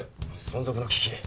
存続の危機？